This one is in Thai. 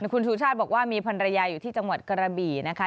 คุณชูชาติบอกว่ามีภรรยาอยู่ที่จังหวัดกระบี่นะคะ